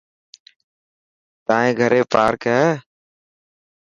تائن گهري پارڪ هي.